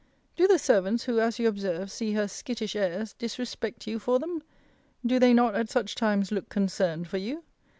Do the servants, who, as you observe, see her skittish airs, disrespect you for them? Do they not, at such times, look concerned for you?